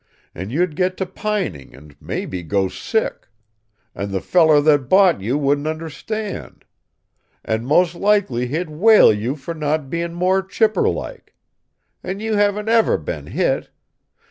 And you'd get to pining and maybe go sick. And the feller that bought you wouldn't understand. And most likely he'd whale you for not being more chipper like. And you haven't ever been hit.